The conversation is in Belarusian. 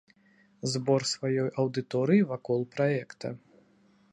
Збор сваёй аўдыторыі вакол праекта.